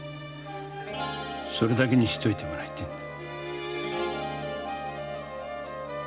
それだけにしといてもらいてえんだ。